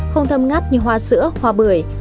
không thơm ngắt như hoa sữa hoa bưởi